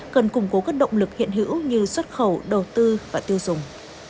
cần củng cố các động lực hiện hữu như xuất khẩu đầu tư và tiêu dùng